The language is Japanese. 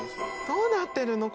どうなってるの？